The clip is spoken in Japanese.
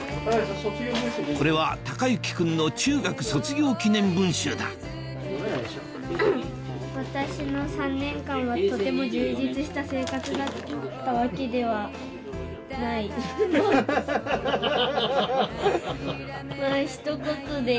これは孝之君の中学卒業記念文集だハハハ！